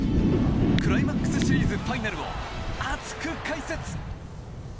クライマックスシリーズファイナルと熱く解説！